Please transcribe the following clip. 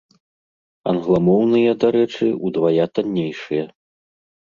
Англамоўныя, дарэчы, удвая таннейшыя.